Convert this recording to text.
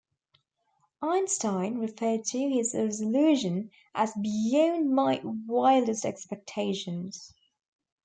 Einstein referred to his resolution as beyond my wildest expectations.